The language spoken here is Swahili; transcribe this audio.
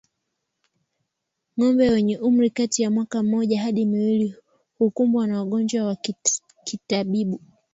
Ngombe wenye umri kati ya mwaka mmoja hadi miwili hukumbwa na ugonjwa wa kitabibu